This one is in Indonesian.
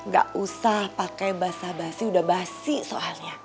gak usah pakai basah basi udah basi soalnya